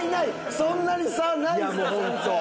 そんなに差ないですよ先生。